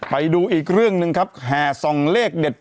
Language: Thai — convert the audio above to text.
ไปดูอีกเรื่องหนึ่งครับแห่ส่องเลขเด็ด